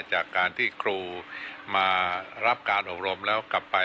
จากการที่ครูมารับการอบรมแล้วกลับไป